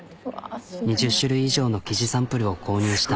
２０種類以上の生地サンプルを購入した。